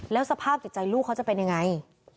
แล้วสภาพจิตใจลูกเขาจะเป็นยังไง